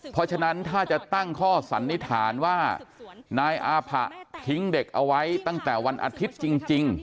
เพราะฉะนั้นถ้าจะตั้งข้อสันนิษฐานว่านายอาผะทิ้งเด็กเอาไว้ตั้งแต่วันอาทิตย์จริง